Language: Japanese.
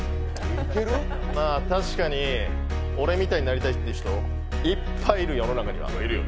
まあ、確かに俺みたいになりたいっていう人、いっぱいいる、世の中には。